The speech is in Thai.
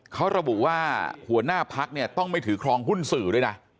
เขาระบุว่าหัวหน้าพักเนี่ยต้องไม่ถือครองหุ้นสื่อด้วยนะ